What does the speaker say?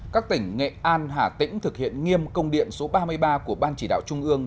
các tỉnh nghệ an hà tĩnh thực hiện nghiêm công điện số ba mươi ba của ban chỉ đạo trung ương